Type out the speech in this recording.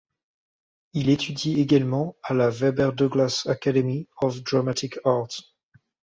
Il étudie également à la Webber Douglas Academy of Dramatic Art.